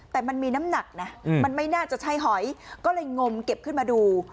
แต่มันมีน้ำหนักนะมันไม่น่าจะใช่หอยก็เลยงมเก็บขึ้นมาดู